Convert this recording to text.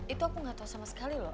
itu aku nggak tahu sama sekali loh